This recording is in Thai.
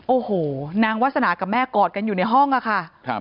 โอ้โหนางวาสนากับแม่กอดกันอยู่ในห้องอะค่ะ